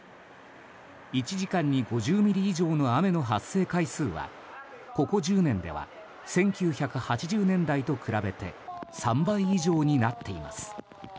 １時間に５０ミリ以上の雨の発生回数はここ１０年では１９８０年代と比べて３倍以上になっています。